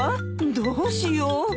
どうしよう。